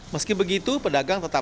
meski begitu pedagang tetap